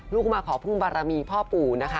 ลูกคือมาขอพึ่งบารมีพ่อปู่